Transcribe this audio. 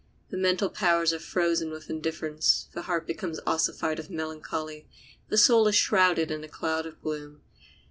The mental powers are frozen with indifference, the heart becomes ossified with melancholy, the soul is shrouded in a cloud of gloom.